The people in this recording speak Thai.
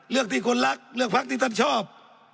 เลือกที่คนรักเลือกพักที่ท่านชอบ